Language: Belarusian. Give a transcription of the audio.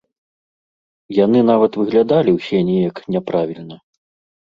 Яны нават выглядалі ўсе неяк няправільна.